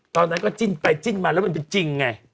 ตอนนั้นก็จิ้นไปจิ้นมาแล้วมันเป็นจริงไง